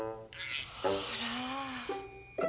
あら。